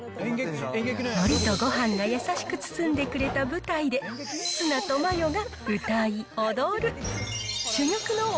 のりとごはんが優しく包んでくれた舞台で、ツナとマヨが歌い踊る。